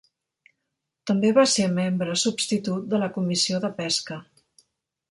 També va ser membre substitut de la Comissió de Pesca.